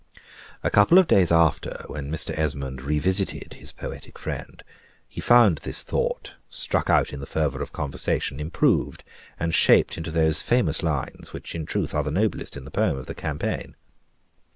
A couple of days after, when Mr. Esmond revisited his poetic friend, he found this thought, struck out in the fervor of conversation, improved and shaped into those famous lines, which are in truth the noblest in the poem of the "Campaign."